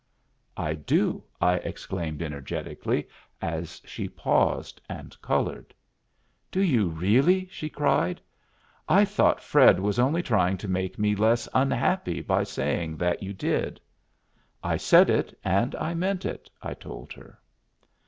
"I do," I exclaimed energetically, as she paused and colored. "Do you really?" she cried. "I thought Fred was only trying to make me less unhappy by saying that you did." "I said it, and I meant it," I told her.